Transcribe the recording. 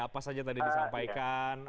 apa saja tadi disampaikan